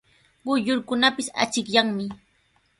Quyllurkunapis achikyanmi.